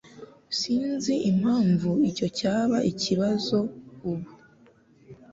Sinzi impamvu icyo cyaba ikibazo ubu